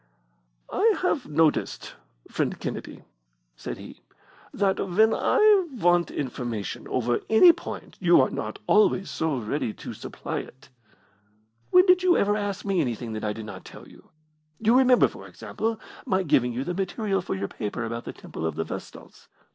"I have noticed, friend Kennedy," said he, "that when I want information over any point you are not always so ready to supply it." "When did you ever ask me anything that I did not tell you? You remember, for example, my giving you the material for your paper about the temple of the Vestals."